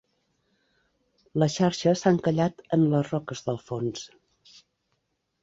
La xarxa s'ha encallat en les roques del fons.